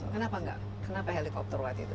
kenapa enggak kenapa helikopter waktu itu